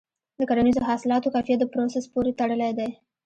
د کرنیزو حاصلاتو کیفیت د پروسس پورې تړلی دی.